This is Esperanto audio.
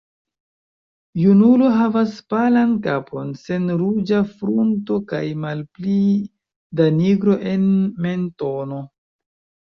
Junulo havas palan kapon sen ruĝa frunto kaj malpli da nigro en mentono.